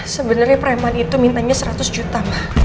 sebenarnya preman itu mintanya seratus juta